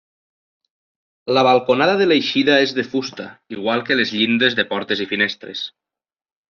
La balconada de l'eixida és de fusta, igual que les llindes de portes i finestres.